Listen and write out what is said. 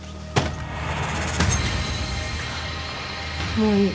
もういい。